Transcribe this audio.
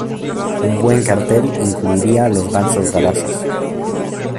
Un buen cartel incluiría los Gansos Grasas.